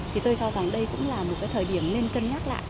thì tôi cho rằng đây cũng là một cái thời điểm nên cân nhắc lại